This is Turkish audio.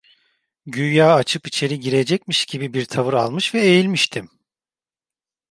Güya açıp içeri girecekmiş gibi bir tavır almış ve eğilmiştim.